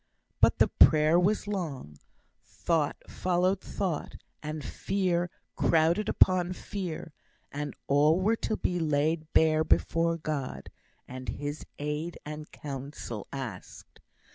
But the prayer was long; thought followed thought, and fear crowded upon fear, and all were to be laid bare before God, and His aid and counsel asked.